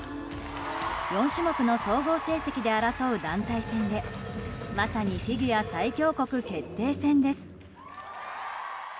４種目の総合成績で争う団体戦でまさにフィギュア最強国決定戦です。